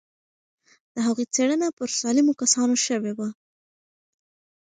د هغوی څېړنه پر سالمو کسانو شوې وه.